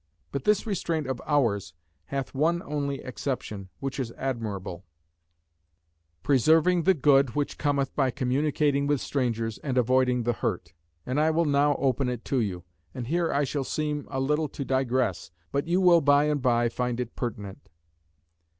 But this restraint of ours hath one only exception, which is admirable; preserving the good which cometh by communicating with strangers, and avoiding the hurt; and I will now open it to you. And here I shall seem a little to digress, but you will by and by find it pertinent.